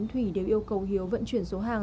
thủy đều yêu cầu hiếu vận chuyển số hàng